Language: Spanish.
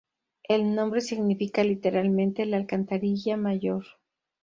El nombre significa literalmente "La Alcantarilla Mayor".